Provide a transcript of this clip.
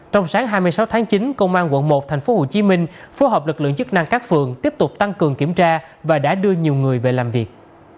trong sáng hai mươi sáu tháng chín công an quận một tp hcm phối hợp lực lượng chức năng các phường tiếp tục tăng cường kiểm tra và đã đưa nhiều người về làm việc